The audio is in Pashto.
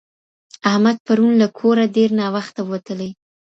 احمد پرون له کوره ډېر ناوخته ووتلی.